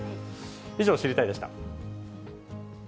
以上、知りたいッ！でした。